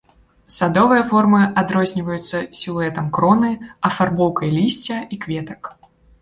Садовыя формы адрозніваюцца сілуэтам кроны, афарбоўкай лісця і кветак.